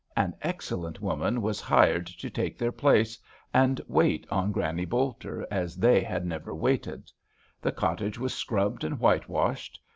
An excellent woman was hired HAMPSHIRE VIGNETTES to take their place, and wait on Granny Bolter as they had never waited. The cottage was scrubbed and whitewashed.